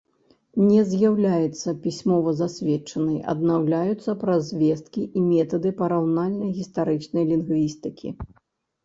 Не з'яўляецца пісьмова засведчанай, аднаўляецца праз звесткі і метады параўнальна-гістарычнай лінгвістыкі.